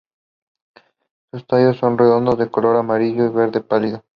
Sus tallos son redondos de color amarillo a verde pálido.